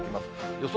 予想